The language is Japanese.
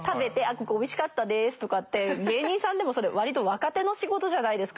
ここおいしかったですとかって芸人さんでもそれ割と若手の仕事じゃないですか。